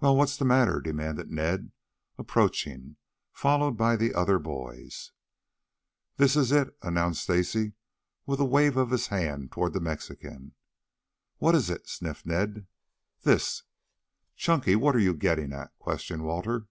"Well, what's the matter?" demanded Ned, approaching, followed by the other boys. "This is it," announced Stacy, with a wave of his hand toward the Mexican. "What is it?" sniffed Ned. "This." "Chunky, what are you getting at?" questioned Walter.